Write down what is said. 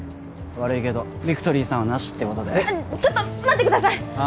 悪いけどビクトリーさんはなしってことでちょっと待ってくださいああ